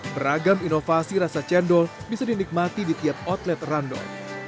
beragam inovasi rasa cendol bisa dinikmati di tiap outlet randol